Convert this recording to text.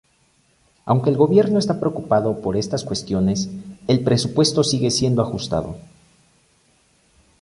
Aunque el gobierno está preocupado por estas cuestiones, el presupuesto sigue siendo ajustado.